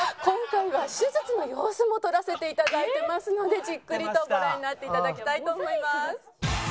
今回は手術の様子も撮らせて頂いてますのでじっくりとご覧になって頂きたいと思います。